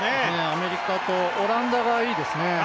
アメリカと、オランダがいいですね。